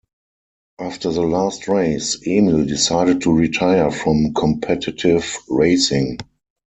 After the last race Emil decided to retire from competitive racing.